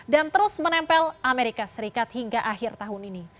dan terus menempel amerika serikat hingga akhir tahun ini